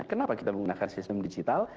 kenapa kita menggunakan sistem digital